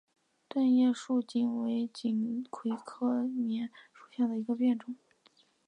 钝叶树棉为锦葵科棉属下的一个变种。